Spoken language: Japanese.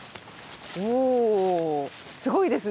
おすごいですね。